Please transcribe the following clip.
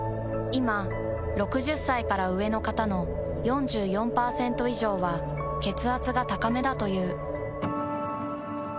いま６０歳から上の方の４４％以上は血圧が高めだという。